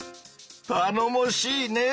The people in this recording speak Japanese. たのもしいねぇ！